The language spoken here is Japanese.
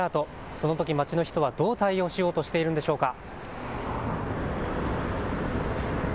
そのとき街の人はどう対応しようとしているんでしょうか。